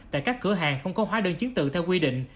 tại các cửa hàng không có hóa đơn chiến tự theo quy định